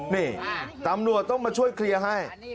นี่ตำรวจต้องมาช่วยเคลียร์ให้